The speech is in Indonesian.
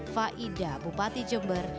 fah ida bupati jember